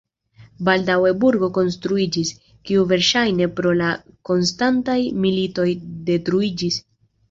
Baldaŭe burgo konstruiĝis, kiu verŝajne pro la konstantaj militoj detruiĝis.